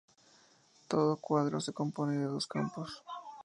Todo "cuadro" se compone de dos campos.